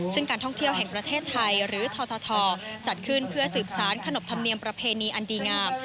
ซึ่งการท่องเที่ยวแห่งประเทศไทยหรือททจัดขึ้นเพื่อสืบสารขนบธรรมเนียมประเพณีอันดีงาม